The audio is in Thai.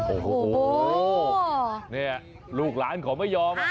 โอ้โหนี่ลูกหลานเขาไม่ยอม